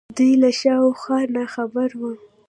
دوی له شا و خوا ناخبره وو